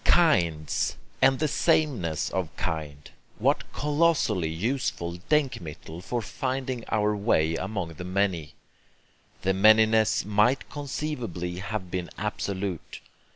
Kinds, and sameness of kind what colossally useful DENKMITTEL for finding our way among the many! The manyness might conceivably have been absolute.